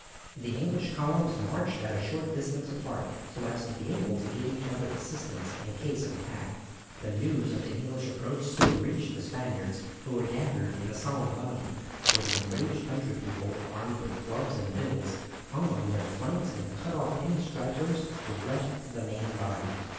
The English columns marched at a short distance apart so as to be able to give each other assistance in case of attack. The news of the English approach soon reached the Spaniards, who were gathered in a solid body, for the enraged country people, armed with clubs and bills, hung on their flanks and cut off any stragglers who left the main body.